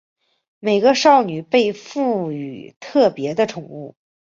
每个少女被赋与特别的宠物。